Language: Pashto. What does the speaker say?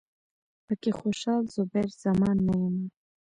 پکې خوشال، زبیر زمان نه یمه